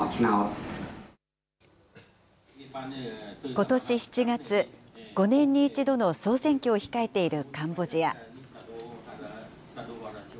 ことし７月、５年に１度の総選挙を控えているカンボジア。